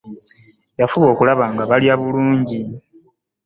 Yafuba okulaba nga balya bulungi.